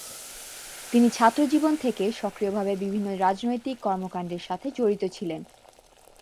তিনি ছাত্র জীবন থেকেই সক্রিয়ভাবে বিভিন্ন রাজনৈতিক কর্মকান্ডের সাথে জড়িত ছিলেন।